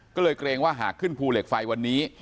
ก็เลยเกรงว่าหากขึ้นภูเหล็กไฟวันนี้